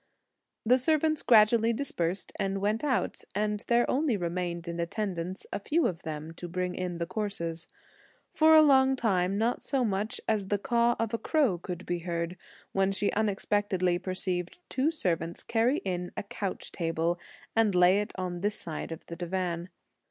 The servants gradually dispersed and went out; and there only remained in attendance a few of them to bring in the courses. For a long time, not so much as the caw of a crow could be heard, when she unexpectedly perceived two servants carry in a couch table, and lay it on this side of the divan.